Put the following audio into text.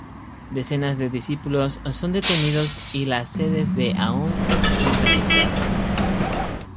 Decenas de discípulos son detenidos y las sedes de Aum son registradas.